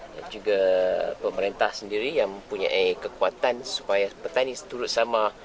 dan juga pemerintah sendiri yang mempunyai kekuatan supaya petani turut sama